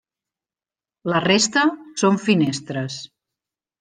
La resta són finestres.